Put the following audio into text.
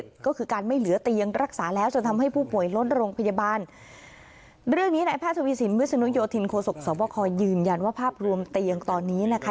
พระเจ้าวิสินวิสุนโยธินโคศกษะวะคอยยืนยันว่าภาพรวมเตียงตอนนี้นะคะ